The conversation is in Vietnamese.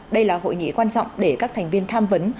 đây là hội nghị quan trọng để các thành viên tham vấn